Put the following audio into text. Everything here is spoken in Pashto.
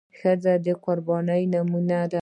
ښځه د قربانۍ نمونه ده.